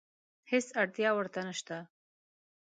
هېڅ اړتیا ورته نشته.